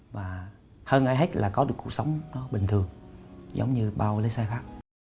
và hơn hết là có được cuộc sống bình thường giống như bao lấy xe khác